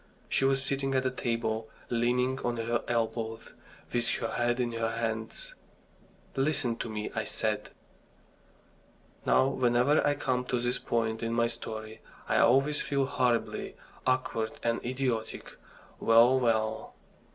She was sitting at the table, leaning on her elbows, with her head in her hands. "Listen to me," I said. Now, whenever I come to this point in my story, I always feel horribly awkward and idiotic. Well, well!